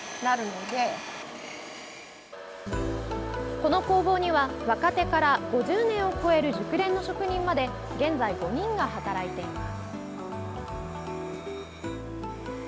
この工房には若手から５０年を超える熟練の職人まで現在５人が働いています。